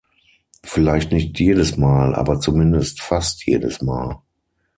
Vielleicht nicht jedes Mal, aber zumindest fast jedes Mal.